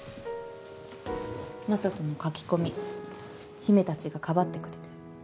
Ｍａｓａｔｏの書き込み姫たちがかばってくれてる。